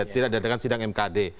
tidak diadakan sidang mkd